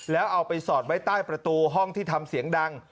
แล้วเอาไปสอดไว้ใต้ประตูห้องที่ทำเสียงดัง